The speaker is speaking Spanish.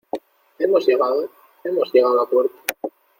¿ hemos llegado? ¿ hemos llegado a puerto ?